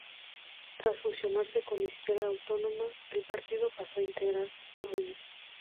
Tras fusionarse con Izquierda Autónoma, el partido pasó a integrar Comunes.